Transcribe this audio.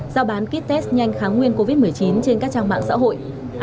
do bán kit test nhanh kháng nguyên covid một mươi chín trên các trang mạng xã hội